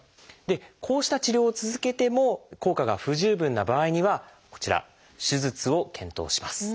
こうした治療を続けても効果が不十分な場合にはこちら手術を検討します。